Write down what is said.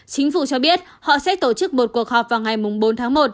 chính phủ cho biết họ sẽ tổ chức một cuộc họp vào ngày bốn tháng một